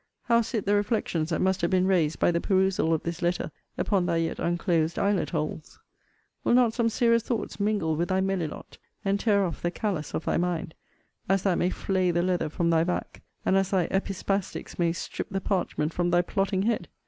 How sit the reflections that must have been raised by the perusal of this letter upon thy yet unclosed eyelet holes? Will not some serious thoughts mingle with thy melilot, and tear off the callus of thy mind, as that may flay the leather from thy back, and as thy epispastics may strip the parchment from thy plotting head?